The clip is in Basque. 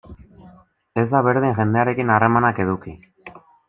Ez da berdin jendearekin harremanak eduki.